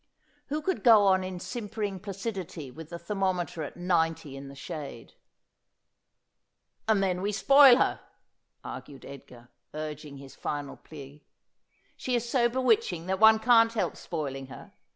Who could go on in simpering placidity with the ther mometer at ninety in the shade ?' And then we spoil her,' argued Edgar, urging his final plea. ' She is so bewitching that one can't help spoiling her.